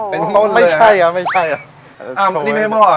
เป็นต้นไม่ใช่อ่ะไม่ใช่อ่ะอ้าวนี่ไม่ใช่หม้ออ่ะ